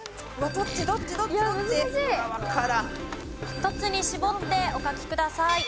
１つに絞ってお書きください。